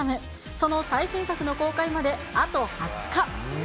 その最新作の公開まであと２０日。